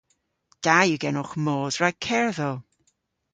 Da yw genowgh mos rag kerdhow.